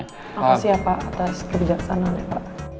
apa sih pak atas kebijaksanaannya pak